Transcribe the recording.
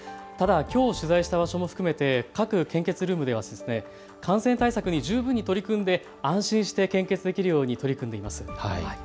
ただ、きょう取材した場所も含めて各献血ルームでは感染対策に十分取り組んで安心して献血できるように取り組んでいます。